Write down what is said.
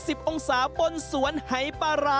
ที่มองเห็นไปทั่วทั้งลานแบบนี้ก็ได้เดอะจริง